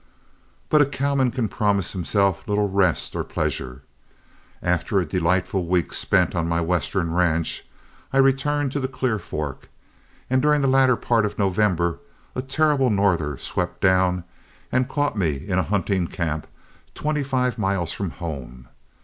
But a cowman can promise himself little rest or pleasure. After a delightful week spent on my western ranch, I returned to the Clear Fork, and during the latter part of November a terrible norther swept down and caught me in a hunting camp twenty five miles from home.